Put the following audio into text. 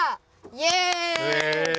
イエイ！